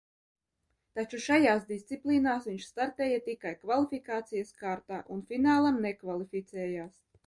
Taču šajās diciplīnās viņš startēja tikai kvalifikācijas kārtā un finālam nekvalificējās.